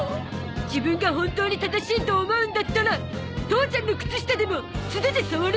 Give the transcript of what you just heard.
自分が本当に正しいと思うんだったら父ちゃんの靴下でも素手で触れるはずです。